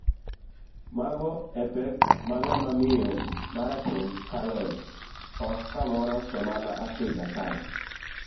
Mago epek ma ng'ama miyo marateng kaloe, ok kamoro to mana Afrika kae.